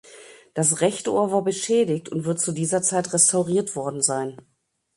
Das rechte Ohr war beschädigt und wird zu dieser Zeit restauriert worden sein.